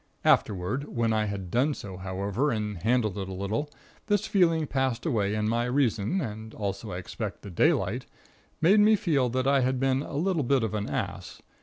Afterward, when I had done so, however, and handled it a little, this feeling passed away and my Reason (and also, I expect, the daylight) made me feel that I had been a little bit of an ass.